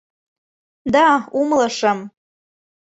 Да, умылышым.